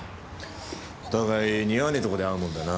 お互い似合わねえとこで会うもんだな。